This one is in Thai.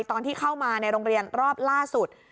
ตอนที่เข้ามาในโรงเรียนรอบล่าสุด